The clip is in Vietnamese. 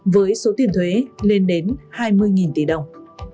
với số tiền thuế lên đến hai mươi tỷ đồng